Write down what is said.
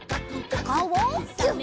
おかおをギュッ！